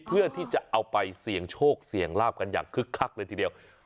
เพื่อที่จะเอาไปเสี่ยงโชคเสี่ยงลาบกันอย่างคึกคักเลยทีเดียว